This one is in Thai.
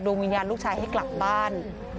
วิญญาณลูกชายให้กลับบ้าน